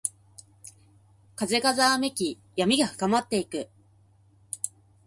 風がざわめき、闇が深まっていく。